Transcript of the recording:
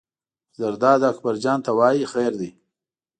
زرداد اکبر جان ته وایي: خیر دی.